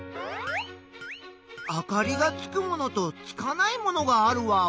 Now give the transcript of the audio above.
あかりがつくものとつかないものがあるワオ？